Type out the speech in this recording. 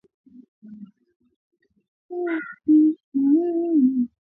Kutembea kwa kupepesuka ni dalili ya ugonjwa wa ndama kuhara